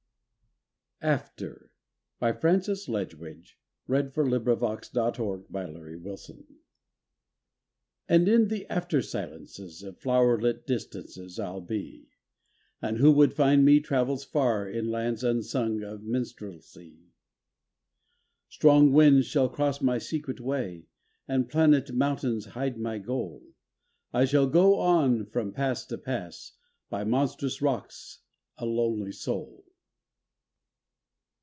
ill of Arcady I look across the waves, alone In the misty filigree. AFTER And in the after silences Of flower lit distances I'll be, And who would find me travels far In lands unsung of minstrelsy. Strong winds shall cross my secret way, And planet mountains hide my goal, I shall go on from pass to pass. By monstrous rocks, a lonely soul.